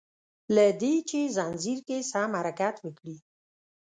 له دي چي ځنځير کی سم حرکت وکړي